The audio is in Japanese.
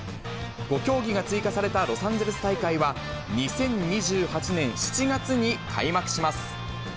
５競技が追加されたロサンゼルス大会は、２０２８年７月に開幕します。